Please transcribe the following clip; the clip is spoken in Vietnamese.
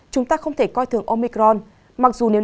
chúng ta không thể coi thường omicron